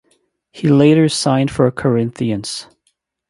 He later signed for Corinthians.